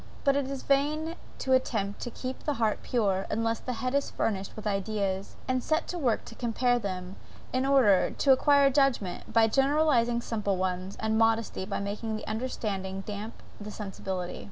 But it is vain to attempt to keep the heart pure, unless the head is furnished with ideas, and set to work to compare them, in order, to acquire judgment, by generalizing simple ones; and modesty by making the understanding damp the sensibility.